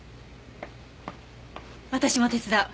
私も手伝う。